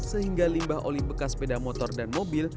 sehingga limbah oli bekas sepeda motor dan mobil